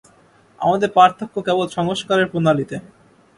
আমাদের পার্থক্য কেবল সংস্কারের প্রণালীতে।